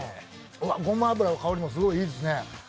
ごま油の香りもすごいいいですね。